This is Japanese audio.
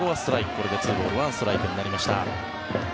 これで２ボール１ストライクになりました。